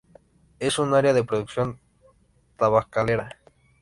Es una área de producción tabacalera.